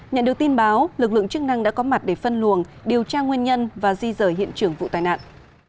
nhận được tin báo lực lượng chức năng đã có mặt để phân luồng điều tra nguyên nhân và di rời hiện trường vụ tai nạn